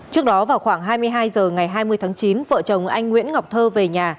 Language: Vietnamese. trước đó vào khoảng hai mươi hai h ngày hai mươi tháng chín vợ chồng anh nguyễn ngọc thơ về nhà